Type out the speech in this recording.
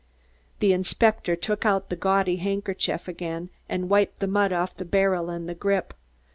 The inspector took out the gaudy handkerchief again and wiped the mud off the barrel and the grip.